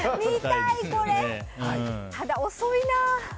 ただ、遅いな。